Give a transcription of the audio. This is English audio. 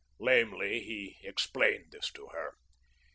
Lamely, he explained this to her.